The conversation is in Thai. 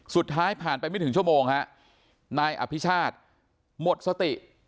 สุดท้ายผ่านไปไม่ถึงชั่วโมงฮะนายอภิชาติหมดสติ